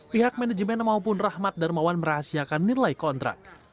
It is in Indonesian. pihak manajemen maupun rahmat darmawan merahasiakan nilai kontrak